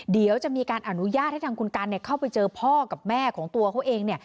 เดี๋ยวจะมีการอนุญาตให้ทางคุณกันเข้าไปเจอพ่อกับแม่ของตัวเขาเองเนี่ย